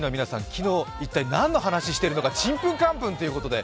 昨日、一体何の話をしているのかちんぷんかんぷんということで